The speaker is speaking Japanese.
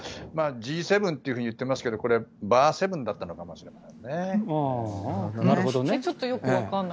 Ｇ７と言っていますけどバー７だったのかもしれません。